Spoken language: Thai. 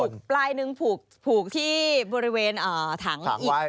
ปลายหนึ่งผูกที่บริเวณถังอีก